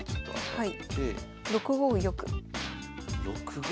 はい。